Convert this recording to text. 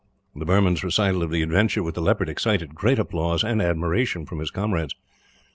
The Burman's recital of the adventure with the leopard excited great applause, and admiration, from his comrades.